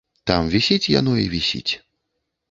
Там вісіць яно і вісіць.